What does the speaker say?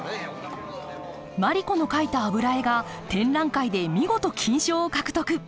マリ子の描いた油絵が展覧会で見事金賞を獲得。